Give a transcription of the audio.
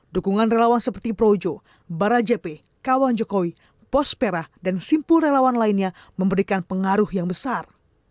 dukungan relawan seperti projo barajepi kawan jokowi pospera dan simpul relawan lainnya memberikan pengaruh yang besar